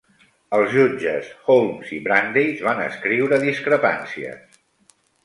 Els jutges Holmes i Brandeis van escriure discrepàncies.